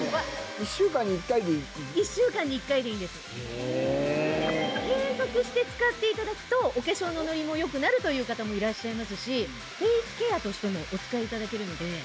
へぇ。継続して使っていただくとお化粧のノリも良くなるという方もいらっしゃいますしフェースケアとしてもお使いいただけるので。